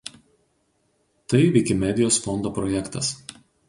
Tai Vikimedijos fondo projektas.